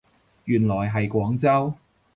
原來係廣州